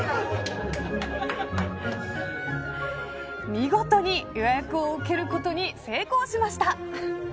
見事に予約を受けることに成功しました。